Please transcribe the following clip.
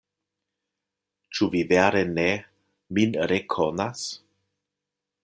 Ĉu vi vere ne min rekonas?